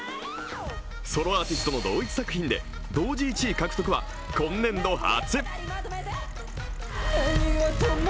ソロアーティストの同一作品で同じ１位獲得は今年度初。